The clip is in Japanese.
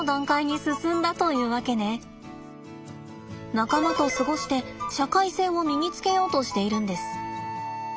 仲間と過ごして社会性を身につけようとしているんです。